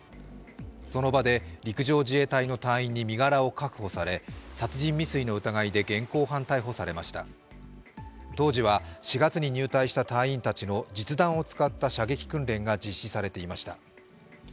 その場で陸上自衛隊の隊員に身柄を確保され殺人未遂の疑いで現行犯逮捕されました当時は４月に入隊した隊員たちの実弾を使った射撃訓練が実施されていました。